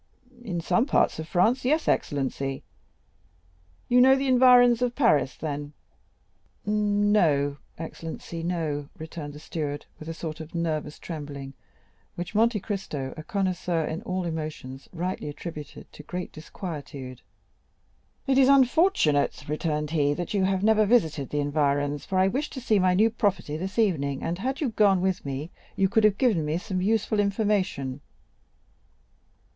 "In some parts of France—yes, excellency." "You know the environs of Paris, then?" "No, excellency, no," returned the steward, with a sort of nervous trembling, which Monte Cristo, a connoisseur in all emotions, rightly attributed to great disquietude. "It is unfortunate," returned he, "that you have never visited the environs, for I wish to see my new property this evening, and had you gone with me, you could have given me some useful information."